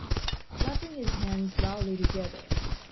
clapping his hands loudly together.